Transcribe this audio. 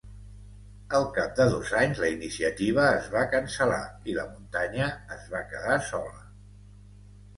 Al cap de dos anys la iniciativa es va cancel·lar i la muntanya es va quedar sola.